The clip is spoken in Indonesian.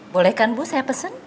boleh kan bu saya pesen